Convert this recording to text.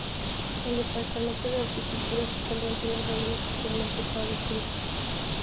El departamento de horticultura estatal mantiene un jardín especialmente para los turistas.